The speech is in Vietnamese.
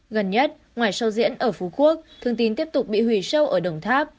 gần nhất ngoài show diễn ở phú quốc thương tín tiếp tục bị hủy show ở đồng tháp